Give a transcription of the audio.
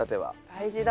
大事だ。